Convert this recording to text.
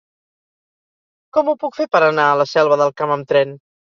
Com ho puc fer per anar a la Selva del Camp amb tren?